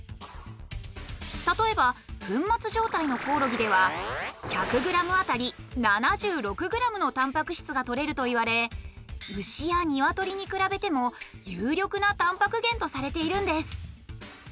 例えば粉末状態のコオロギでは１００ｇあたり７６ｇのタンパク質がとれるといわれ牛やニワトリに比べても有力なタンパク源とされているんです。